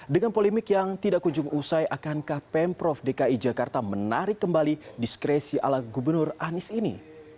dengan polemik yang tidak kunjung usai akankah pemprov dki jakarta menarik kembali diskresi ala gubernur anies ini